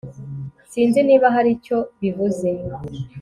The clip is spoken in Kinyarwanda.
Sinzi niba hari icyo bivuze